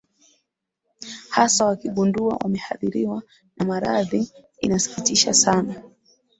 hasa wakigunduwa wameadhiriwa na maradhi inasikitisha sana